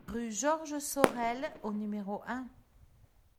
Rue Georges Sorel au numéro un